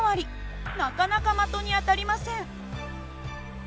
なかなか的に当たりません。